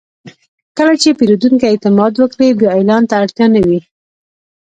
کله چې پیرودونکی اعتماد وکړي، بیا اعلان ته اړتیا نه وي.